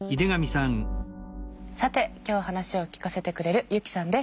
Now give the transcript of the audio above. さて今日話を聞かせてくれるユキさんです。